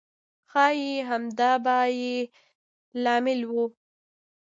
ښایي همدا به یې لامل و.